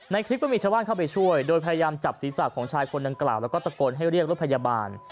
คลิปก็มีชาวบ้านเข้าไปช่วยโดยพยายามจับศีรษะของชายคนดังกล่าวแล้วก็ตะโกนให้เรียกรถพยาบาล